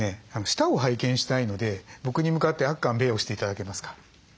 舌を拝見したいので僕に向かってあっかんべーをして頂けますか？